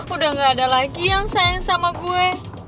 udah gak ada lagi yang sayang sama gue